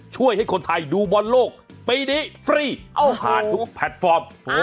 ช่วยให้คนไทยดูบอลโลกปีนี้ฟรีผ่านทุกแพลตฟอร์ม